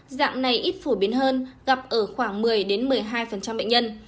dạng này ít phổ biến hơn gặp ở khoảng một mươi một mươi hai bệnh nhân